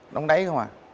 nóng đáy không à